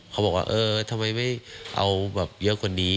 เขาบอกว่าเออทำไมไม่เอาแบบเยอะกว่านี้